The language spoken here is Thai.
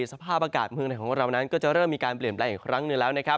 สภาพอากาศเมืองไหนของเรานั้นก็จะเริ่มมีการเปลี่ยนแปลงอีกครั้งหนึ่งแล้วนะครับ